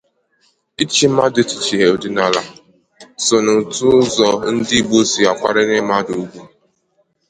Ichi mmadụ echichi ọdịnala so n'otu ụzọ ndị Igbo si akwanyere mmadụ ùgwù